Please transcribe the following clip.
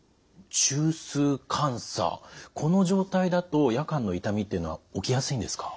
中枢感作この状態だと夜間の痛みっていうのは起きやすいんですか？